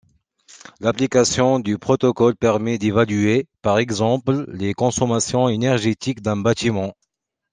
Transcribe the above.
L'application du protocole permet d'évaluer, par exemple, les consommations énergétiques d'un bâtiment.